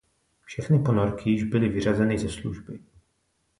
Všechny ponorky již byly vyřazeny ze služby.